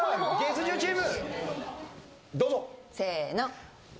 水１０チーム。